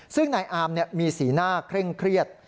ซึ่งนายอามมีสีหน้าเคร่งเครียด